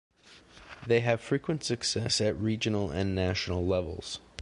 They have frequent success at regional and national levels.